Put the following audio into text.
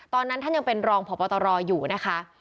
ตอนนั้นท่านยังเป็นรองพบตรอยู่นะคะ